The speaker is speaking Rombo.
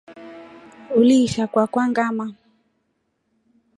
Ulisha kwakwa ngamaa.